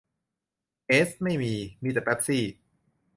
เอสไม่มี มีแต่เป็ปซี่